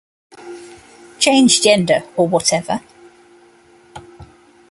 Change-gender, or whatever.